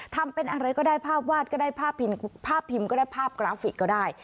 ทำเป็นอะไรก็ได้ภาพวาดก็ได้ภาพพิมพ์ก็ได้ภาพกราฟิกก็ได้